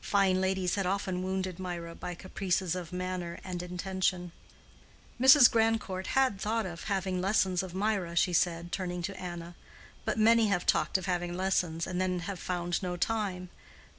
Fine ladies had often wounded Mirah by caprices of manner and intention. "Mrs. Grandcourt had thought of having lessons of Mirah," she said turning to Anna. "But many have talked of having lessons, and then have found no time.